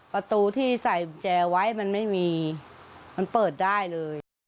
ประตูที่ใส่กุญแจไว้มันไม่มีมันเปิดได้เลย